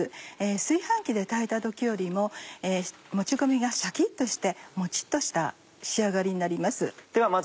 炊飯器で炊いた時よりももち米がシャキっとしてもちっとした仕上がりになります。